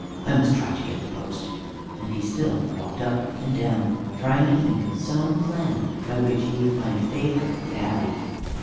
I must try to get the post." And he still walked up and down, trying to think of some plan by which he would find favor at the Abbey.